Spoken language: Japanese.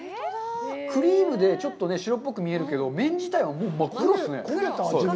クリームで、ちょっと白っぽく見えるけど、麺自体は真っ黒ですね。